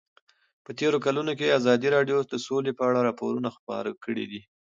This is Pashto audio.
په تېرو کلونو کې ازادي راډیو د سوله په اړه راپورونه خپاره کړي دي.